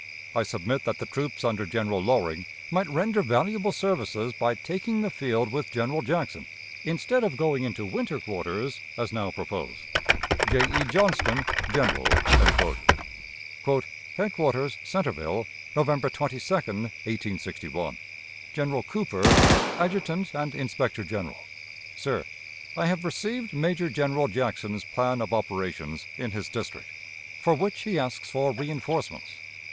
I submit that the troops under General Loring might render valuable services by taking the field with General Jackson, instead of going into winter quarters, as now proposed. "J. E. Johnston, General." "Headquarters, Centreville, November 22, 1861. "General Cooper, Adjutant and Inspector General. "Sir: I have received Major General Jackson's plan of operations in his district, for which he asks for reënforcements.